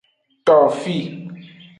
Tofi.